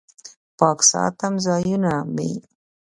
پاک ساتم ځایونه مې